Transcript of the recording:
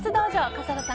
笠原さん